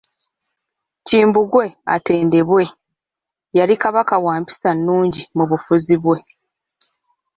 Kimbugwe atendebwa, yali Kabaka wa mpisa nnungi mu bufuzi bwe.